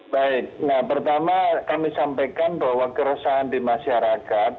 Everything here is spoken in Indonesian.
baik nah pertama kami sampaikan bahwa keresahan di masyarakat